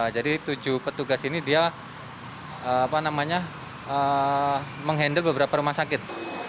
jadi tujuh petugas ini dia menghandle beberapa rumah sakit